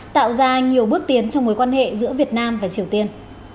tạo ra nhiều bước tiến trong mối quan hệ giữa việt nam và triều tiên